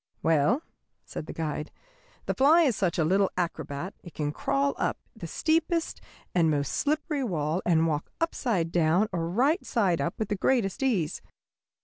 ] "Well," said the guide, "the fly is such a little acrobat it can crawl up the steepest and most slippery wall and walk upside down or right side up with the greatest ease.